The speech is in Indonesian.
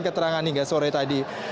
keterangan hingga sore tadi